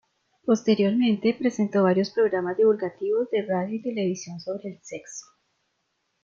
Posteriormente, presentó varios programas divulgativos de radio y televisión sobre el sexo.